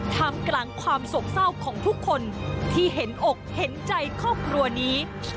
ทำกลางความโศกเศร้าของทุกคนที่เห็นอกเห็นใจครอบครัวนี้